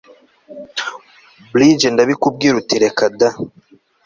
bridge ndabikubwira uti reka da